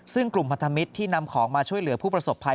ซึ่งกลุ่มพันธมิตรที่นำของมาช่วยเหลือผู้ประสบภัย